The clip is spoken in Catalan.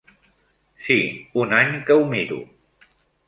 Sí, un any que ho miro.